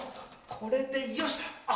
これでよし！